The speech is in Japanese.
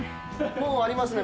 もうありますね。